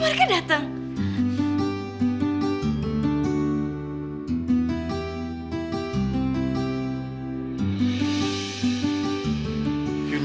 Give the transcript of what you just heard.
masih kayak mau ngejek